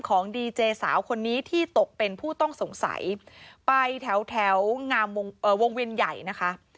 ดีเจสาวคนนี้ที่ตกเป็นผู้ต้องสงสัยไปแถวงามวงเวียนใหญ่นะคะ